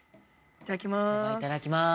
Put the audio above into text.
いただきます。